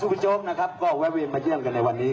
คุณคมสุพจบนะครับก็แวะเวียนมาเยื่องกันในวันนี้